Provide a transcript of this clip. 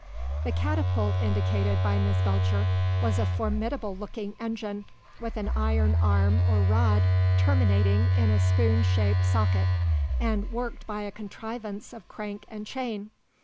The catapult indicated by Miss Belcher was a formidable looking engine with an iron arm or rod terminating in a spoon shaped socket, and worked by a contrivance of crank and chain.